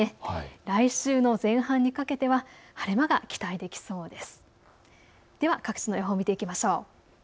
来週の前半にかけては晴れ間が期待できそうです。